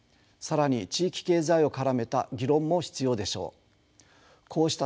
更に地域経済を絡めた議論も必要でしょう。